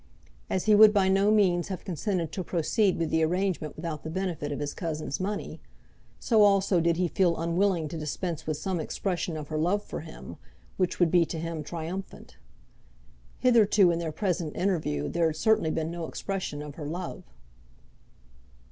As he would by no means have consented to proceed with the arrangement without the benefit of his cousin's money, so also did he feel unwilling to dispense with some expression of her love for him, which would be to him triumphant. Hitherto in their present interview there had certainly been no expression of her love.